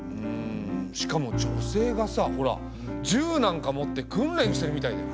しかも女性がさほら銃なんか持って訓練してるみたいだよ。